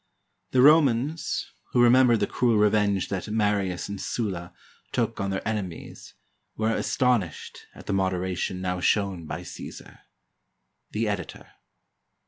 The Romans, who remem bered the cruel revenge that Marius and Sulla took on their enemies, were astonished at the moderation now shown by Caesar. The Editor.